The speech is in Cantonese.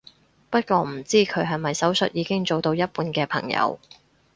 不過唔知佢係咪手術已經做到一半嘅朋友